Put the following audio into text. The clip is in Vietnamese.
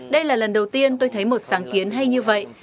đây là lần đầu tiên tôi thấy một sáng kiến hay như vậy